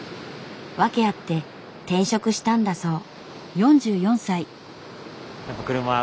訳あって転職したんだそう。